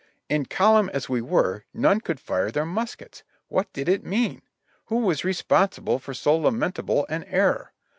In column as we were, none could fire their muskets! What did it mean? Who was responsible for so lamentable an error?